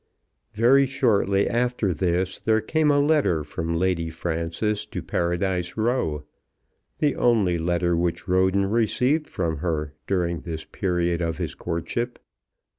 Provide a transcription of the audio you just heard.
Very shortly after this there came a letter from Lady Frances to Paradise Row, the only letter which Roden received from her during this period of his courtship.